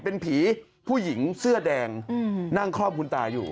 เป็นผีผู้หญิงเสื้อแดงนั่งคลอบคุณตาอยู่